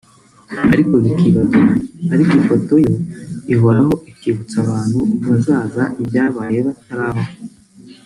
ariko bikibagirana ariko ifoto yo ihoraho ikibutsa abantu bazaza ibyabaye batarabaho